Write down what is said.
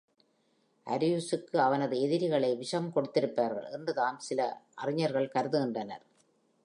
Ariusக்கு அவனது எதிரிகளே விஷம் கொடுத்திருப்பார்கள் என்றுதான் சில அறிஞர்கள் கருதுகின்றனர்.